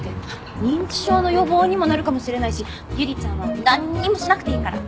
認知症の予防にもなるかもしれないしゆりちゃんはなんにもしなくていいから。